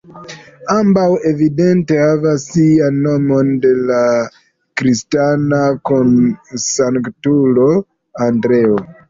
Ambaŭ evidente havas sian nomon de la kristana sanktulo Andreo.